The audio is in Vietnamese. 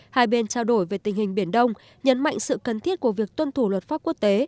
hai bên trao đổi về tình hình biển đông nhấn mạnh sự cần thiết của việc tuân thủ luật pháp quốc tế